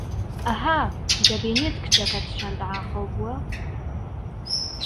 ئەها، دەبینیت کچەکەت چەند ئاقڵ بووە